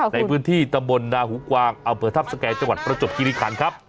ในพื้นที่ตะบลนาหูกวางอเผอร์ทัพสแก่จประจบกิริขาลครับ